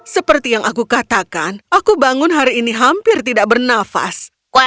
seperti yang aku katakan aku bangun hari ini hampir tidak bernafas